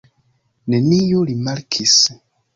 Neniu rimarkis!